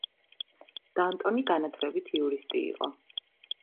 დანტონი განათლებით იურისტი იყო.